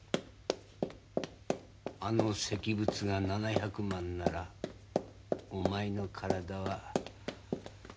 あの石仏が７００万ならお前の体は。